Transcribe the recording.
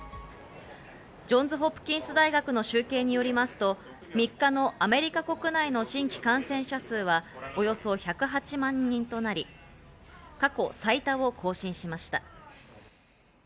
ジョンズ・ホプキンス大学の集計によりますと、３日のアメリカ国内の新規感染者数はおよそ１０８万人となり、過去最多を更新しました。